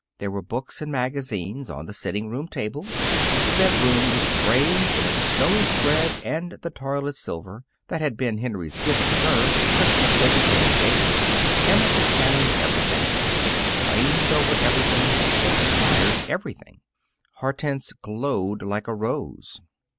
There were books and magazines on the sitting room table. The bedroom was brave in its snowy spread and the toilet silver that had been Henry's gift to her the Christmas they became engaged. Emma examined everything, exclaimed over everything, admired everything. Hortense glowed like a rose.